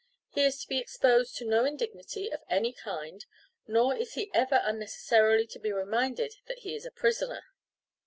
He is to be exposed to no indignity of any kind, nor is he ever unnecessarily to be reminded that he is a prisoner.